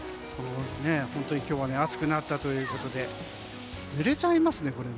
本当に今日は暑くなったということでぬれちゃいますね、これ。